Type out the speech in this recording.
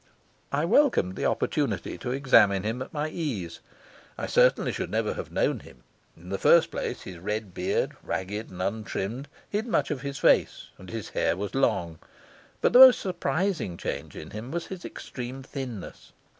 I welcomed the opportunity to examine him at my ease. I certainly should never have known him. In the first place his red beard, ragged and untrimmed, hid much of his face, and his hair was long; but the most surprising change in him was his extreme thinness.